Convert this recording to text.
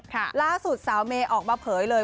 ล่าสุดสาวเมย์ออกมาเผยเลย